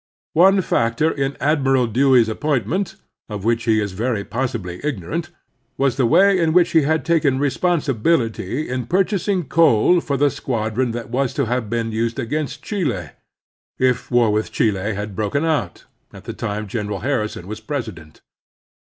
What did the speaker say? One factor in Admiral Dewey's appointment — of which he is very possibly ignorant — ^was the way in which he had taken responsibility in purchasing coal for the squadron that was to have been used against Chile, if war with Chile had broken out, at the time Gen eral Harrison was President.